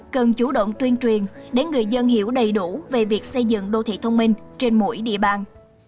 cần chủ động tuyên truyền để người dân hiểu đầy đủ về việc xây dựng đô thị thông minh trên mỗi địa bàn